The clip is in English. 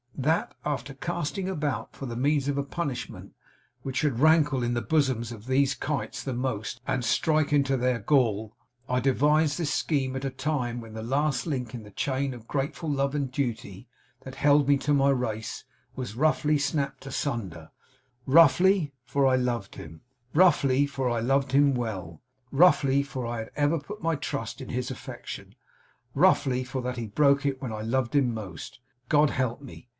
That, after casting about for the means of a punishment which should rankle in the bosoms of these kites the most, and strike into their gall, I devised this scheme at a time when the last link in the chain of grateful love and duty, that held me to my race, was roughly snapped asunder; roughly, for I loved him well; roughly, for I had ever put my trust in his affection; roughly, for that he broke it when I loved him most God help me!